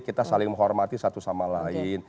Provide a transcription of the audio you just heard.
kita saling menghormati satu sama lain